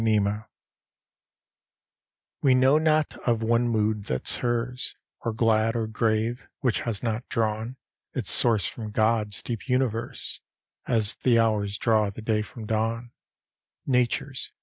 LXI We know not of one mood that's hers, Or glad or grave, which has not drawn Its source from God's deep universe, As th' hours draw the day from dawn Nature's!